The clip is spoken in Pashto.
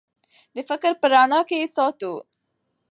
د فکر په رڼا کې یې وساتو.